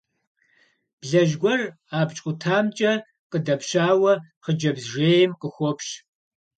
Блэжь гуэр абдж къутамкӀэ къыдэпщауэ хъыджэбз жейм къыхуопщ.